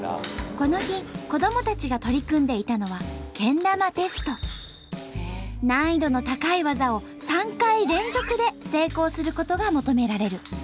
この日子どもたちが取り組んでいたのは難易度の高い技を３回連続で成功することが求められる。